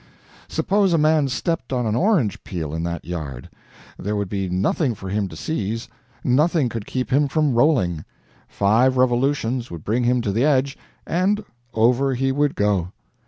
Suppose a man stepped on an orange peel in that yard; there would be nothing for him to seize; nothing could keep him from rolling; five revolutions would bring him to the edge, and over he would go.